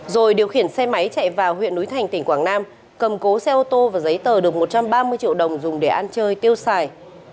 rồi điều khiển xe máy chạy vào huyện núi thành tỉnh quảng nam cầm cố xe ô tô và giấy tờ được một trăm ba mươi triệu đồng dùng để ăn chơi tiêu xài